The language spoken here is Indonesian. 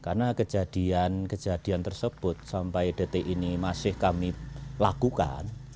karena kejadian kejadian tersebut sampai detik ini masih kami lakukan